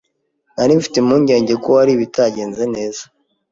Nari mfite impungenge ko hari ibitagenze neza.